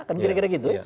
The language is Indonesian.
kan kira kira gitu